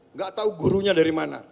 nggak tahu gurunya dari mana